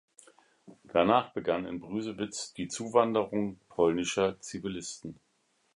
Danach begann in Brüsewitz die Zuwanderung polnischer Zivilisten.